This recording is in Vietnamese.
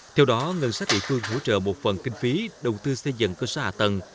theo đó ngân sách địa phương hỗ trợ một phần kinh phí đầu tư xây dựng cơ sở hạ tầng